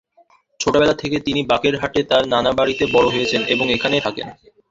ছোটবেলা থেকে তিনি বাগেরহাটে তাঁর নানাবাড়িতে বড় হয়েছেন এবং এখানেই থাকেন।